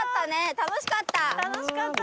楽しかったです。